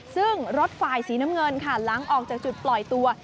ซึ่งรถฝ่ายสีน้ำเงินค่ะหลังออกจากจุดปล่อยตัว